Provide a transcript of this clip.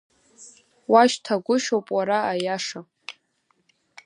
Уашьҭагәышьоуп уара аиаша…